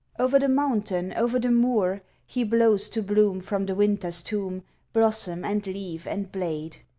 Over the mountain, over the moor, He blows to bloom from the winter's tomb Blossom and leaf and blade.